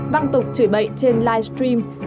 văng tục chửi bậy trên mạng